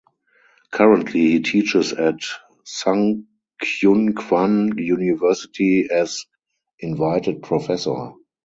Currently he teaches at Sungkyunkwan University as Invited Professor.